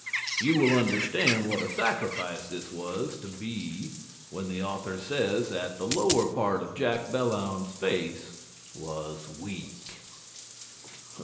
You will understand what a sacrifice this was to be when the author says that "the lower part of Jack Belllounds's face was weak."